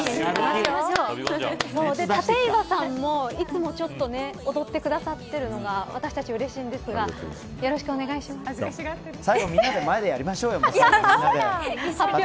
立岩さんもいつもちょっとね踊ってくださってるのが私たちうれしいんですが最後、みんなで前でやりましょうよ。